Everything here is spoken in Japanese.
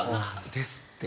ですって。